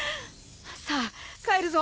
さあ帰るぞ。